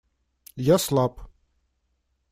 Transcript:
Я слаб.